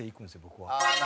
僕は。